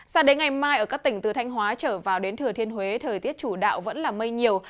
sao đến ngày mai ở các tỉnh từ thanh hóa trở vào đến thừa thiên huế thời tiết chủ đạo vẫn là mây nhiều